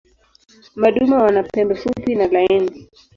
Madume wana pembe fupi na laini.